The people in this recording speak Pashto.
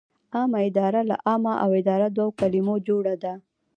عامه اداره له عامه او اداره دوو کلمو جوړه ده.